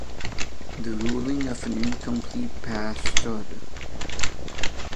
The ruling of an incomplete pass stood.